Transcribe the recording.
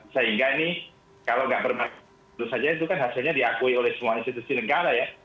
sehingga ini kalau nggak bermasalah tentu saja itu kan hasilnya diakui oleh semua institusi negara ya